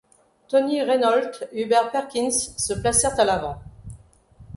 Tony Renault, Hubert Perkins, se placèrent à l’avant.